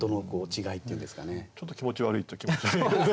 ちょっと気持ち悪いっちゃ気持ち悪い。